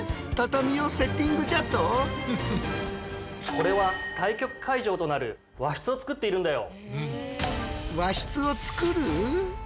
これは対局会場となる和室を作っているんだよ。